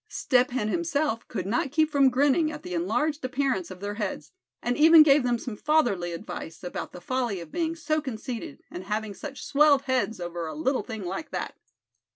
Step Hen himself could not keep from grinning at the enlarged appearance of their heads, and even gave them some fatherly advice about the folly of being so conceited, and having such swelled heads over a little thing like that.